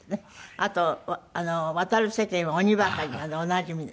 あと『渡る世間は鬼ばかり』のあのおなじみで。